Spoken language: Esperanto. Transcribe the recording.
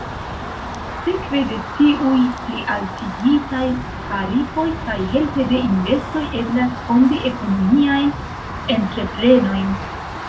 Sekve de tiuj plialtigitaj tarifoj kaj helpe de investoj eblas fondi ekonomiajn entreprenojn.